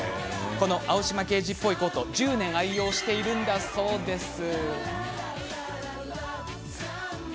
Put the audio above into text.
この青島刑事っぽいコートは１０年愛用しているんだそうです。